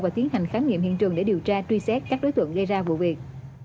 và tiến hành khám nghiệm hiện trường để điều tra truy xét các đối tượng gây ra vụ việc